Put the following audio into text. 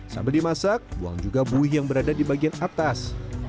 sambil dimasak buang juga buih yang berada di bagian atas